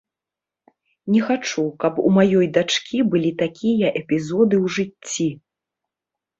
Не хачу, каб у маёй дачкі былі такія эпізоды ў жыцці.